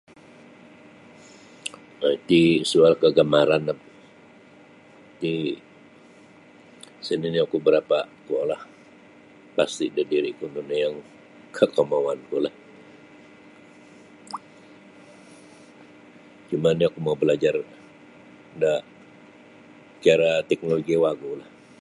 um Iti soal kagamaran ti isa nini oku berapa kuo lah pasti bio bio diriku yang kakamahuan ku lah cumanya oku mau balajar da cara teknologi wagu lah.